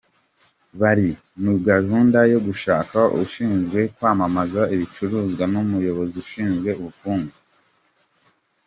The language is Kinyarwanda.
Bari muri gahunda yo gushaka ushinzwe kwamamaza ibicuruzwa n’umuyobozi ushinzwe ubukungu.